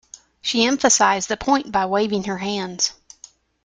She emphasised the point by waving her hands.